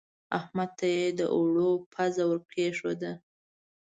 احمد ته يې د اوړو پزه ور کېښوده.